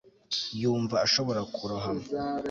yumva ashobora kurohama